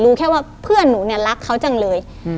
แค่ว่าเพื่อนหนูเนี่ยรักเขาจังเลย